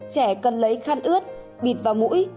trẻ cần lấy khăn ướt bịt vào mũi